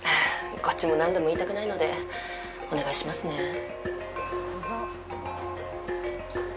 こっちも何度も言いたくないのでお願いしますね。